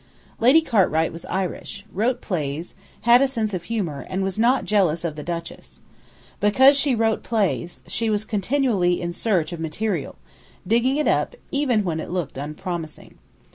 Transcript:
Lady Cartwright was Irish, wrote plays, had a sense of humour, and was not jealous of the Duchess. Because she wrote plays, she was continually in search of material, digging it up, even when it looked unpromising.